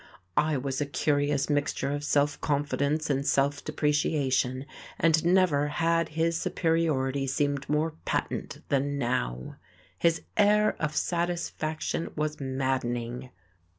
I was a curious mixture of self confidence and self depreciation, and never had his superiority seemed more patent than now. His air of satisfaction was maddening.